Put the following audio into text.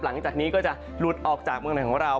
หลังจากนี้ก็จะหลุดออกจากเมืองไหนของเรา